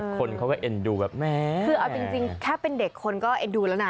คนเขาก็เอ็นดูแบบแม่คือเอาจริงแค่เป็นเด็กคนก็เอ็นดูแล้วนะ